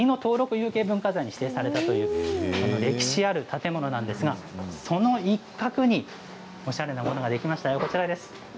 有形文化財に指定されたということで歴史ある建物なんですがその一角に、おしゃれなものができましたよ。